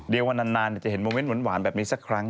เดี๋ยววันนานจะเห็นโมเมนต์หวานแบบนี้สักครั้ง